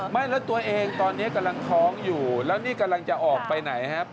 ไม่แล้วตัวเองตอนนี้กำลังท้องอยู่แล้วนี่กำลังจะออกไปไหนครับ